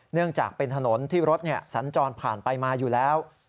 เนื่องจากเป็นถนนที่รถสัญจรผ่านไปมาอยู่แล้ว